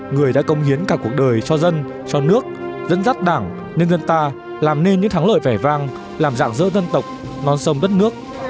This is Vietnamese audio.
người đã công hiến cả cuộc đời cho dân cho nước dẫn dắt đảng nhân dân ta làm nên những thắng lợi vẻ vang làm dạng dỡ dân tộc non sông đất nước